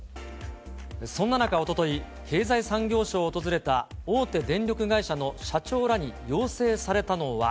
そんな中、おととい、経済産業省を訪れた大手電力会社の社長らに要請されたのは。